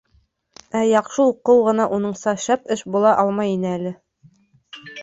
Ә яҡшы уҡыу ғына уныңса шәп эш була алмай ине әле.